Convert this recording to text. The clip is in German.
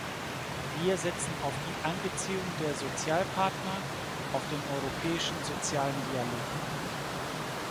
Wir setzen auf die Einbeziehung der Sozialpartner, auf den europäischen sozialen Dialog.